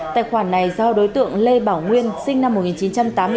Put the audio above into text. tài khoản này do đối tượng lê bảo nguyên sinh năm một nghìn chín trăm tám mươi bốn